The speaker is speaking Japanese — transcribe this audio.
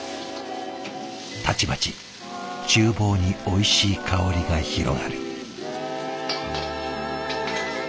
たちまちちゅう房においしい香りが広がる。